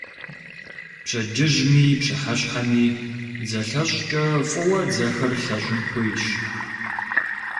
Пщэдджыжьми пщыхьэщхьэми дзэлъэщӀкӀэ фӀыуэ дзэхэр лъэщӀын хуейщ.